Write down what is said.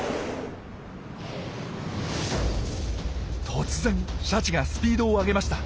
突然シャチがスピードを上げました。